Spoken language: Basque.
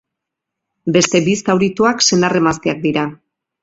Beste bi zaurituak senar-emazteak dira.